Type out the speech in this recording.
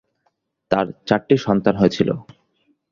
তার চারটি সন্তান হয়েছিল।